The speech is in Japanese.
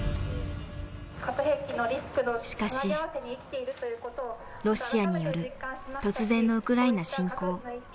しかしロシアによる突然のウクライナ侵攻。